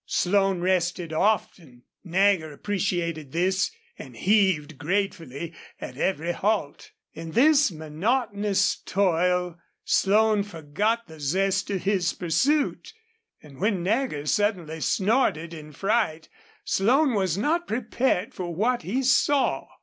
Slone rested often. Nagger appreciated this and heaved gratefully at every halt. In this monotonous toil Slone forgot the zest of his pursuit. And when Nagger suddenly snorted in fright Slone was not prepared for what he saw.